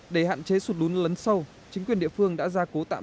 để hạn chế sụt lún lấn sâu chính quyền địa phương đã ra cố tạm